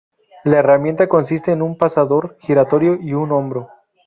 La herramienta consiste en un pasador giratorio y un hombro.